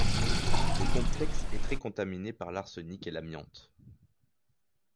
Le complexe est très contaminé par l'arsenic et l'amiante.